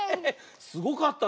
すごかったね。